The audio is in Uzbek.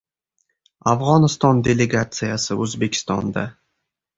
Afg‘oniston delegatsiyasi O‘zbekistonda